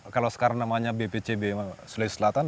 kalau sekarang namanya bpcb sulawesi selatan